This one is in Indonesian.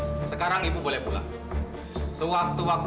bapak kamu yang upaya sudah suku seribu sembilan ratus lima puluh an itu